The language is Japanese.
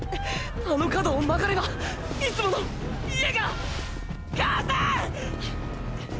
あの角を曲がればいつもの家が母さん！